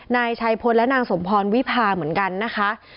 นายชัยพลและนางสมพรวิพาเหมือนกันนะคะ